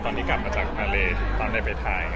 มันกลับมาจากมาเลตอนเลยไปไทย